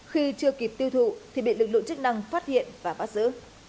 khi chưa kịp tiêu thụ thì bị lực lượng chức năng phát hiện và bắt giữ